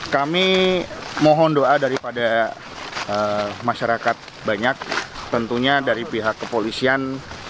kami mohon doa daripada masyarakat banyak tentunya dari pihak kepolisian